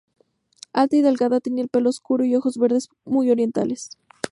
Alta y delgada, tenía el pelo oscuro y ojos verdes muy orientales.